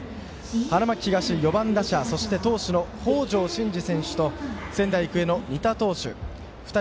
花巻東、４番打者そして投手の北條慎治投手と仙台育英の仁田投手。